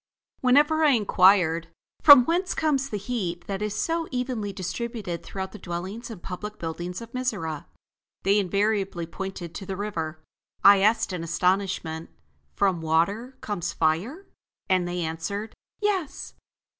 Whenever I inquired: "From whence comes the heat that is so evenly distributed throughout the dwellings and public buildings of Mizora?" they invariably pointed to the river. I asked in astonishment: "From water comes fire?" And they answered: "Yes."